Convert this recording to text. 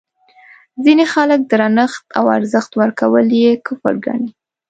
ځینې خلک درنښت او ارزښت ورکول یې کفر ګڼي.